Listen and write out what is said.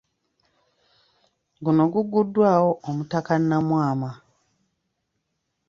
Guno guguddwawo Omutaka Namwama.